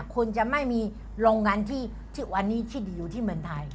คุณจะไม่มีโรงงานที่วันนี้ที่ดีอยู่ที่เมืองไทย